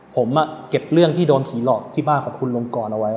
ผมเก็บเรื่องที่โดนผีหลอกที่บ้านของคุณลงกรเอาไว้